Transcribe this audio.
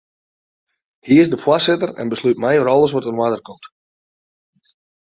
Hy is de foarsitter en beslút mei oer alles wat oan de oarder komt.